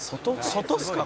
外っすか？